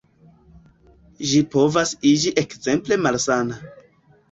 Vi povas iĝi ekzemple malsana.